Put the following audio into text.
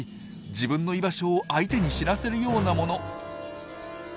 自分の居場所を相手に知らせるようなもの。